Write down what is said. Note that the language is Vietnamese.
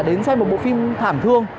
đến xem một bộ phim thảm thương